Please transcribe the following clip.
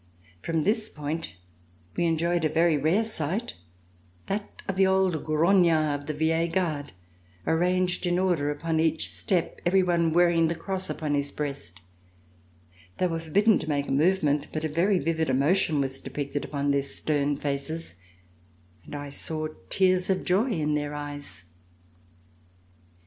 From this point we enjoyed a very rare sight, that oi the old grognards of the Vieille Garde, arranged in order upon each step, every one wearing the cross upon his breast. They were forbidden to make a movement, but a very vivid emotion was depicted upon their [ 363 ] RECOLLECTIONS OF THE REVOLUTION stem faces, and I saw tears of joy in their eyes.